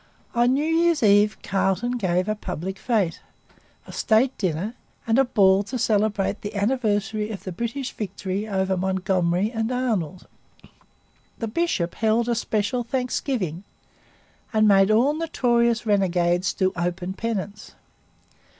On New Year's Eve Carleton gave a public fete, a state dinner, and a ball to celebrate the anniversary of the British victory over Montgomery and Arnold. The bishop held a special thanksgiving and made all notorious renegades do open penance.